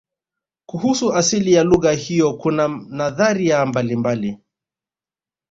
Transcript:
kuhusu asili ya lugha hiyo kuna nadharia mbalimbali